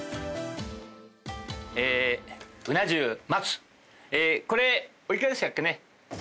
えうな重松これお幾らでしたっけね？